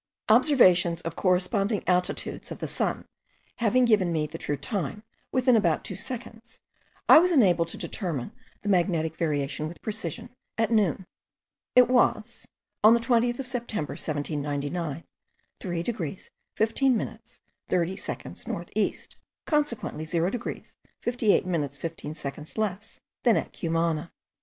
Observations of corresponding altitudes of the sun having given me the true time, within about 2 seconds, I was enabled to determine the magnetic variation with precision, at noon. It was, on the 20th of September, 1799, 3 degrees 15 minutes 30 seconds north east; consequently 0 degrees 58 minutes 15 seconds less than at Cumana.